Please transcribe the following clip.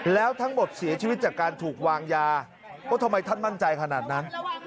แล้วทั้งหมดเสียชีวิตจากการถูกวางยาว่าทำไมท่านมั่นใจขนาดนั้น